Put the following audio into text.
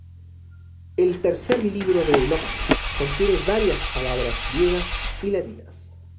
El "Tercer Libro de Enoc" contiene varias palabras griegas y latinas.